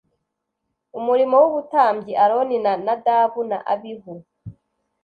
umurimo w ubutambyi Aroni na Nadabu na Abihu